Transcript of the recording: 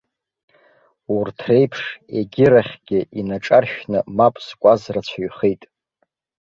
Урҭ реиԥш егьырахьгьы инаҿаршәны мап зкуаз рацәаҩхеит.